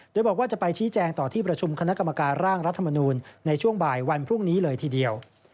โดยบอกว่าจะไปชี้แจงต่อที่ประชุมคณะกรรมการร่างรัฐมนูลในช่วงบ่ายวันพรุ่งนี้เลยทีเดียว